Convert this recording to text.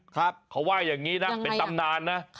เขาว่าอย่างนี้นะเป็นตำนานนะ